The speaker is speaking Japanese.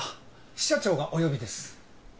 支社長がお呼びです。